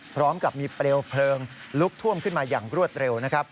พร้อมกับมีเปลวเพลิงลุกท่วมขึ้นมาอย่างรวดเร็วนะครับ